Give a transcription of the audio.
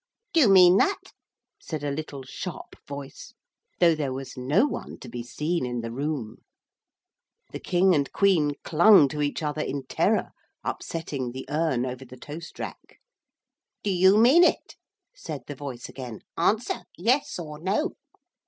'Do you mean that,' said a little sharp voice, though there was no one to be seen in the room. The King and Queen clung to each other in terror, upsetting the urn over the toast rack. 'Do you mean it?' said the voice again; 'answer, yes or no.'